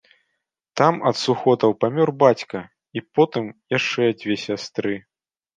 Там ад сухотаў памёр бацька і потым яшчэ дзве сястры.